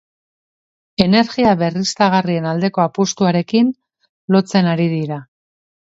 Energia berriztagarrien aldeko apustuarekin lotzen ari dira.